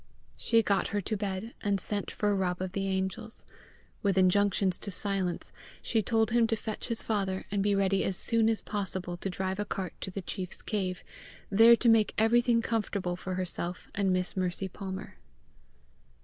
She got her to bed, and sent for Rob of the Angels. With injunctions to silence, she told him to fetch his father, and be ready as soon as possible to drive a cart to the chief's cave, there to make everything comfortable for herself and Miss Mercy Palmer.